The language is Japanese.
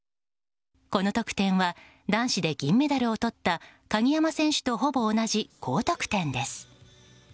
この得点は男子で銀メダルをとった鍵山選手とほぼ同じ高得点です。